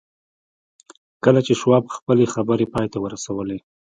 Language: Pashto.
کله چې شواب خپلې خبرې پای ته ورسولې.